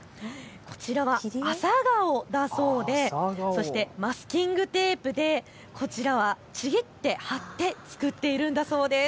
こちらは朝顔だそうでマスキングテープでこちらはちぎって貼って作っているんだそうです。